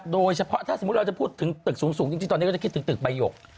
โดยเฉพาะถ้าสมมุติเราจะพูดถึงตึกสูงจริงตอนนี้ก็จะคิดถึงตึกใบหยก